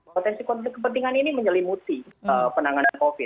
potensi konflik kepentingan ini menyelimuti penanganan covid